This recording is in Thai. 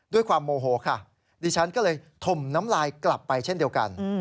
ด้วยความโมโหค่ะดิฉันก็เลยถมน้ำลายกลับไปเช่นเดียวกัน